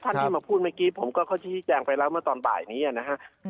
ที่มาพูดเมื่อกี้ผมก็เขาชี้แจงไปแล้วเมื่อตอนบ่ายนี้นะฮะ